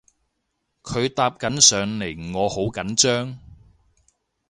佢搭緊上嚟我好緊張